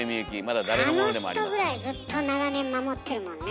あの人ぐらいずっと長年守ってるもんね